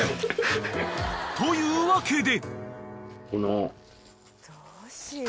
［というわけで］